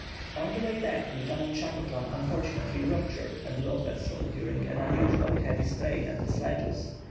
On the way back Lieutenant Shackleton unfortunately ruptured a blood vessel during an unusually heavy strain at the sledges.